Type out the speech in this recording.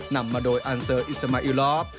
นำมาโดยอันเซอร์อิสมาอิลอฟ